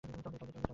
চল, যাই।